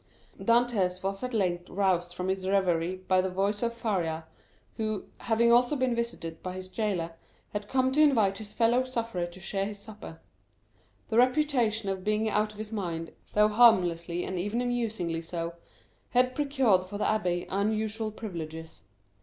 Dantès was at length roused from his reverie by the voice of Faria, who, having also been visited by his jailer, had come to invite his fellow sufferer to share his supper. The reputation of being out of his mind, though harmlessly and even amusingly so, had procured for the abbé unusual privileges.